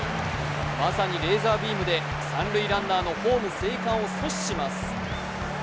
まさにレーザービームで三塁ランナーのホーム生還を阻止します。